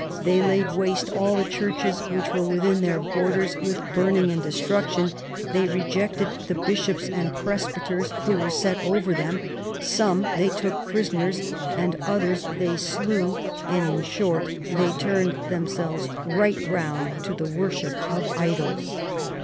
The}'' laid waste all the churches which were within their borders with burning and de struction ; they rejected the bishops and presbyters who were set over them ; some they took prisoners and others they slew, and, in short, they turned themselves right round to the worship of idols."